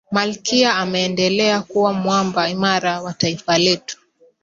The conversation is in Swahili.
malkia ameendelea kuwa mwamba imara wa taifa letu